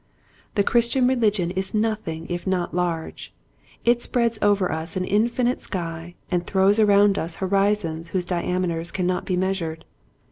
The Christian religion is nothing if not large. It spreads over us an infinite sky and throws around us horizons whose di ameters cannot be measured.